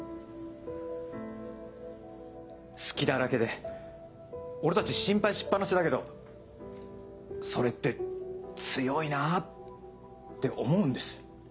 隙だらけで俺たち心配しっ放しだけどそれって強いなぁって思うんです。